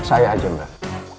saya ajeng mbak